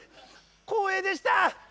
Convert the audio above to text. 光栄でした！